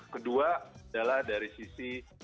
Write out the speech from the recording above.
kedua adalah dari sisi